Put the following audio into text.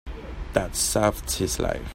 That saved his life.